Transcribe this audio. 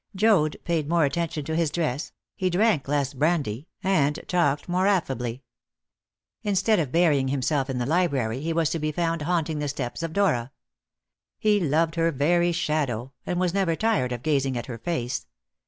Joad paid more attention to his dress, he drank less brandy, and talked more affably. Instead of burying himself in the library, he was to be found haunting the steps of Dora. He loved her very shadow, and was never tired of gazing at her face.